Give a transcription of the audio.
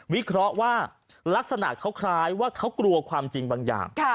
วิเคราะห์ว่าลักษณะเขาคล้ายว่าเขากลัวความจริงบางอย่าง